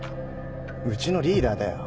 うちのリーダーだよ。